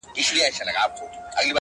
زلفي او باڼه اشــــــنـــــــــــا.